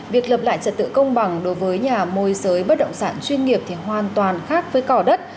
việc lập lại trật tự công bằng đối với nhà môi giới bất động sản chuyên nghiệp thì hoàn toàn khác với cỏ đất